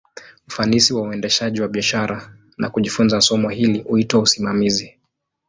Ufanisi wa uendeshaji wa biashara, na kujifunza somo hili, huitwa usimamizi.